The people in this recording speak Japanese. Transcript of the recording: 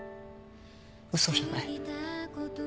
嘘じゃない。